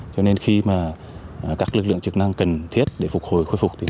cho nên khi các lực lượng trực năng cần thiết để phục hồi khôi phục